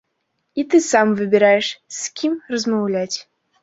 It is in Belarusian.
І ты сам выбіраеш, з кім размаўляць.